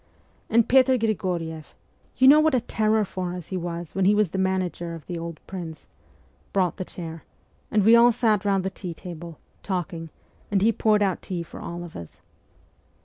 And Petr Grig6rieff you know what a terror for us he was when he was the manager of the old prince brought the chair, and we all sat round the tea table, talking, and he poured out tea for all of us.